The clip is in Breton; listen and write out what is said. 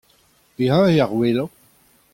Pehini eo ar wellañ ?